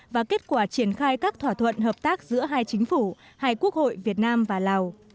và kết quả triển khai các thỏa thuận hợp tác giữa hai chính phủ hai quốc hội việt nam và lào